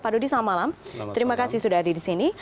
pak dodi selamat malam terima kasih sudah ada di sini